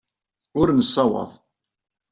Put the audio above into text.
Ur nessawaḍ.